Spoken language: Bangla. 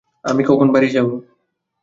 আমি কখন বাড়ি যাব?